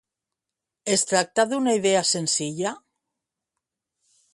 Es tracta d'una idea senzilla?